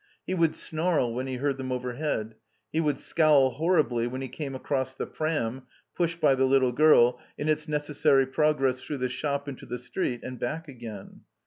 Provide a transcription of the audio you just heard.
He would snarl when he heard them overhead; he would scowl horribly when he came across the "pram," pushed by the little girl, in its necessary progress through the shop into the street and back again.